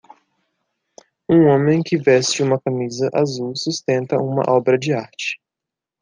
Um homem que veste uma camisa azul sustenta uma obra de arte.